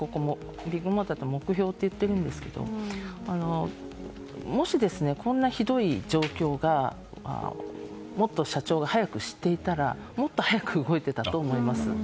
ビッグモーターは目標と言っているんですけどももし、こんなひどい状況をもっと社長が早く知っていたらもっと早く動いていたと思います。